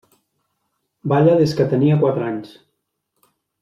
Balla des que tenia quatre anys.